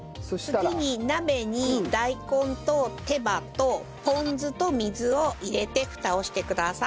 次に鍋に大根と手羽とポン酢と水を入れてフタをしてください。